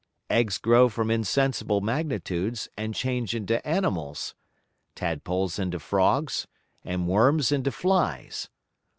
Eggs grow from insensible Magnitudes, and change into Animals; Tadpoles into Frogs; and Worms into Flies.